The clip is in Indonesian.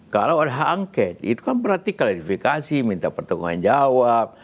kalau ada hak angket itu kan berarti klarifikasi minta pertanggungan jawab